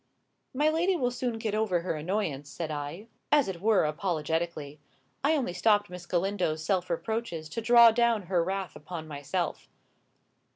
"My lady will soon get over her annoyance," said I, as it were apologetically. I only stopped Miss Galindo's self reproaches to draw down her wrath upon myself.